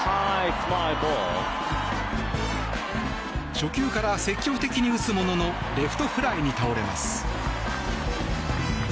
初球から積極的に打つもののレフトフライに倒れます。